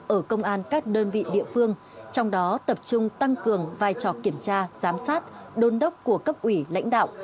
ở công an các đơn vị địa phương trong đó tập trung tăng cường vai trò kiểm tra giám sát đôn đốc của cấp ủy lãnh đạo